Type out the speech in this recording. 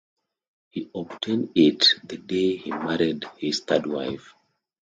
He obtained it the day he married his third wife.